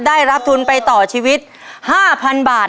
ได้รับทุนไปต่อชีวิต๕๐๐๐บาท